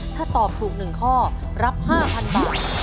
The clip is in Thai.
ถ้าตอบถูก๑ข้อรับ๕๐๐๐บาท